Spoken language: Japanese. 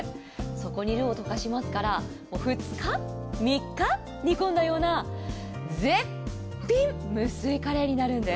そこにルーを溶かしますから、２日、３日煮込んだような絶品無水カレーになるんです。